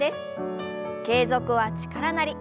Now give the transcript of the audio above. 「継続は力なり」。